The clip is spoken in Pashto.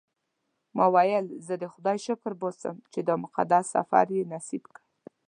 ما وویل زه د خدای شکر باسم چې دا مقدس سفر یې نصیب کړ.